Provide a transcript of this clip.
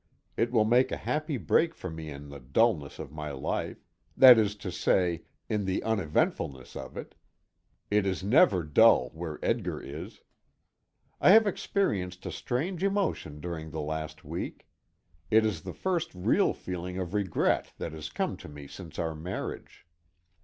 It will make a happy break for me in the dullness of my life that is to say, in the uneventfulness of it; it is never dull where Edgar is. I have experienced a strange emotion during the last week. It is the first real feeling of regret that has come to me since our marriage.